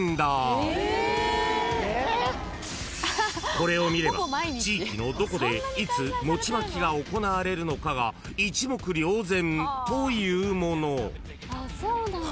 ［これを見れば地域のどこでいつ餅まきが行われるのかが一目瞭然というもの］